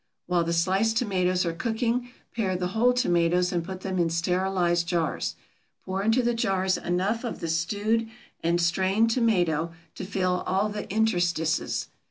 While the sliced tomatoes are cooking, pare the whole tomatoes and put them in sterilized jars. Pour into the jars enough of the stewed and strained tomato to fill all the interstices.